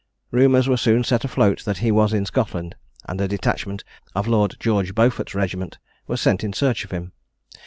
Rumours were soon set afloat that he was in Scotland, and a detachment of Lord George Beaufort's regiment was sent in search of him.